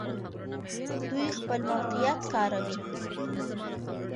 دوی خپل موقعیت کاروي.